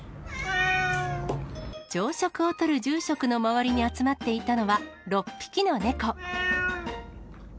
朝食をとる住職の周りに集まっていたのは、６匹の猫。